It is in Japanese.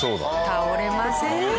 倒れません。